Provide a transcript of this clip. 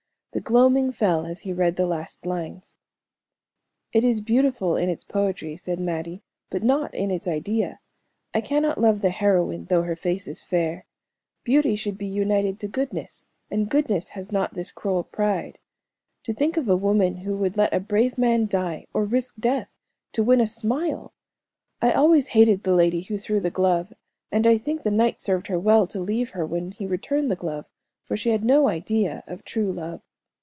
The gloaming fell as he read the last lines. "It is beautiful, in its poetry," said Mattie, "but not in its idea. I cannot love the heroine, though her face is fair. Beauty should be united to goodness, and goodness has not this cruel pride. To think of a woman who would let a brave man die, or risk death, to win a smile! I always hated the lady who threw the glove, and I think the knight served her well, to leave her when he returned the glove, for she had no idea of true love."